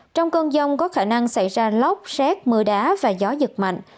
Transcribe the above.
trong cơn dông có khả năng xảy ra lóc xét mưa đá và gió giật mạnh